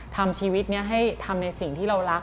ทำชีวิตนี้ให้ทำในสิ่งที่เรารัก